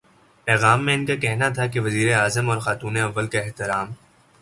پیغام میں ان کا کہنا تھا کہ وزیرا اعظم اور خاتونِ اول کا احترام